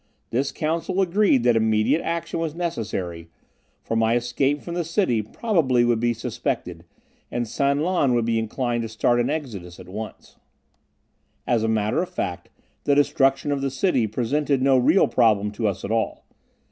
This council agreed that immediate action was necessary, for my escape from the city probably would be suspected, and San Lan would be inclined to start an exodus at once. As a matter of fact, the destruction of the city presented no real problem to us at all.